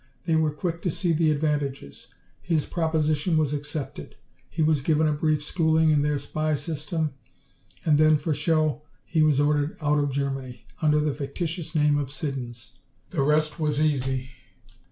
They were quick to see the advantages. His proposition was accepted. He was given a brief schooling in their spy system, and then, for show, he was ordered out of Germany under the fictitious name of Siddons. "The rest was easy.